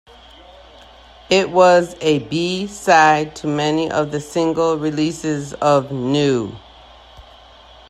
It was a B-side to many of the single releases of "New".